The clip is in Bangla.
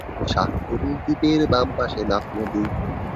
শাহ পরীর দ্বীপের বাম পাশে নাফ নদী।